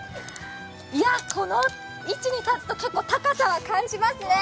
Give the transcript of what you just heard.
この位置に立つと、結構高さは感じますね。